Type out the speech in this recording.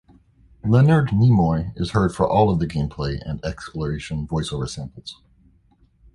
Leonard Nimoy is heard for all of the gameplay and exploration voice-over samples.